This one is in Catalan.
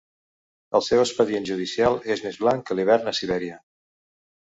El seu expedient judicial és més blanc que l'hivern a Sibèria.